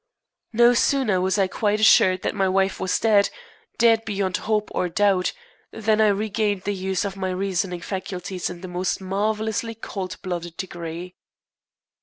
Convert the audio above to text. No sooner was I quite assured that my wife was dead dead beyond hope or doubt than I regained the use of my reasoning faculties in the most marvellously cold blooded degree.